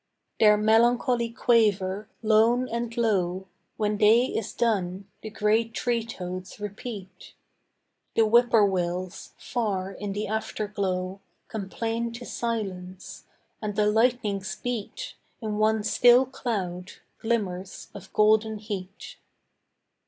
Their melancholy quaver, lone and low, When day is done, the gray tree toads repeat: The whippoorwills, far in the afterglow, Complain to silence: and the lightnings beat, In one still cloud, glimmers of golden heat.